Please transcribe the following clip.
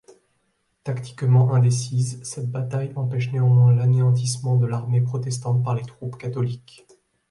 Tactiquement indécise, cette bataille empêche néanmoins l'anéantissement de l'armée protestante par les troupes catholiques.